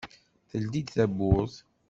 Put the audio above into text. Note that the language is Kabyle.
Teldi-d tawwurt.